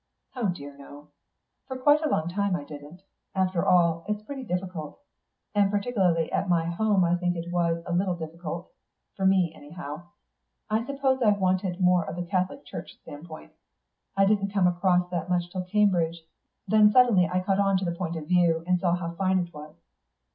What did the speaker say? "Oh dear no. For quite a long time I didn't. After all, it's pretty difficult.... And particularly at my home I think it was a little difficult for me, anyhow. I suppose I wanted more of the Catholic Church standpoint. I didn't come across that much till Cambridge; then suddenly I caught on to the point of view, and saw how fine it was."